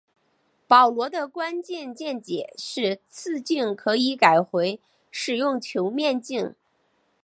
保罗的关键见解是次镜可以改回使用球面镜。